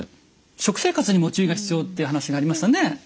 食生活にも注意が必要っていう話がありましたね。